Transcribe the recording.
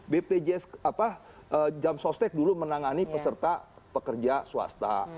bpjs jam sostek dulu menangani peserta pekerja swasta